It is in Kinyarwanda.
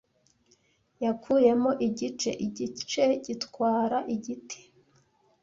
Yakuyemo igice, igice gitwara igiti.